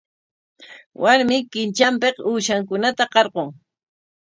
Warmi qintranpik uushankunata qarqun.